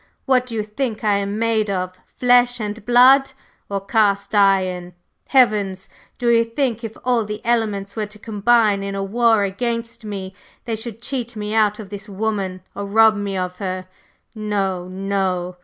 What do you think I am made of? Flesh and blood, or cast iron? Heavens! Do you think if all the elements were to combine in a war against me, they should cheat me out of this woman or rob me of her? No, no!